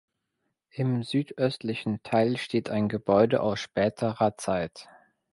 Im südöstlichen Teil steht ein Gebäude aus späterer Zeit.